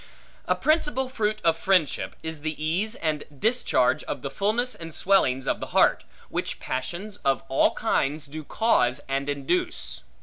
A principal fruit of friendship, is the ease and discharge of the fulness and swellings of the heart, which passions of all kinds do cause and induce.